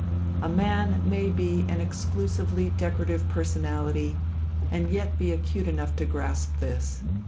A man may be an exclusively decorative personality and yet be acute enough to grasp this....